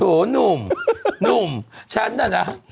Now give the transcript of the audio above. โอ้โฮหนุ่มฉันน่ะ